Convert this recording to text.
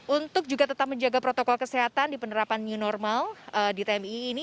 untuk juga tetap menjaga protokol kesehatan di penerapan new normal di tmi ini